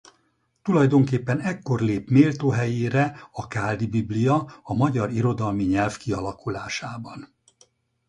Tulajdonképpen ekkor lép méltó helyére a Káldi Biblia a magyar irodalmi nyelv kialakulásában.